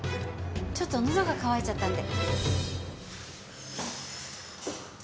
ちょっとのどが渇いちゃったので。